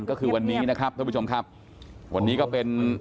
ก็คือวันนี้นะครับท่านผู้ชมครับวันนี้ก็เป็น